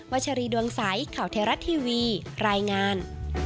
ชรีดวงใสข่าวเทราะทีวีรายงาน